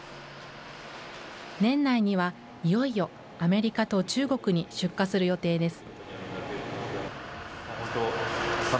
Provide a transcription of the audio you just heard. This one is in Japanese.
年内にはいよいよアメリカと中国に出荷する予定です。